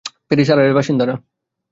Paris আর এর বাসিন্দারা।